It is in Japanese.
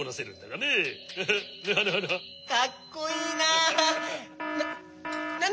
かっこいいな。